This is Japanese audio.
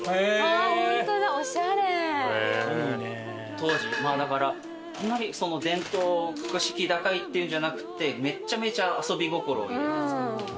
当時だからあまり伝統格式高いっていうんじゃなくてめっちゃめちゃ遊び心を入れてます。